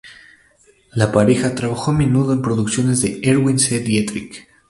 La pareja trabajó a menudo en producciones de Erwin C. Dietrich.